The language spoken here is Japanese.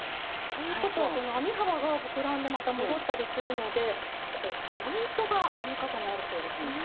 ということはこの編み幅が膨らんでまた戻ったりするのでこうポイントが編み方にあるそうですね。